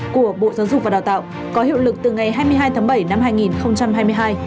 của bộ giáo dục và đào tạo có hiệu lực từ ngày hai mươi hai tháng bảy năm hai nghìn hai mươi hai